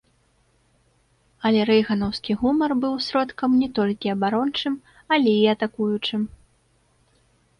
Аднак рэйганаўскі гумар быў сродкам не толькі абарончым, але і атакуючым.